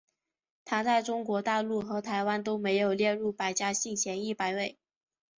它在中国大陆和台湾都没有列入百家姓前一百位。